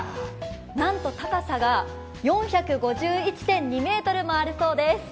なんと高さが４５１．２ｍもあるそうです。